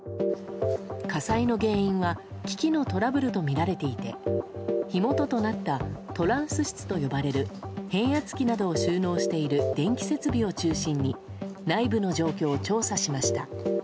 火災の原因は機器のトラブルとみられていて火元となったトランス室と呼ばれる変圧器などを収納している電気設備を中心に内部の状況を調査しました。